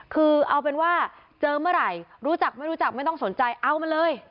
คือเอาเป็นว่าเจอเมื่อไหร่รู้จักไม่รู้จักไม่ต้องสนใจเอามาเลย